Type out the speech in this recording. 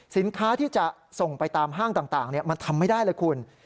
สินค้าที่จะส่งไปตามห้างต่างมันทำไม่ได้เลยคุณ